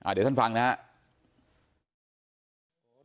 เดี๋ยวท่านฟังนะครับ